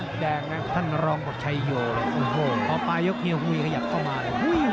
นั่นแดงน่ะท่านรองบทชายโยพอป่ายกยกเงียวหุยกระหยับเข้ามาเลย